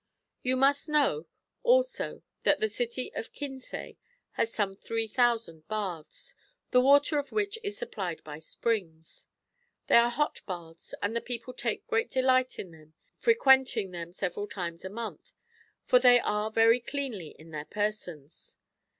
] You must know also that the city of Kinsay has some 3000 baths, the water of which is supplied by springs. They are hot baths, and the people take great delight in them, frequenting them several times a month, for they are very cleanly in their persons.